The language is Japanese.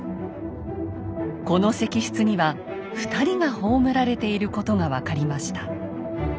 この石室には２人が葬られていることが分かりました。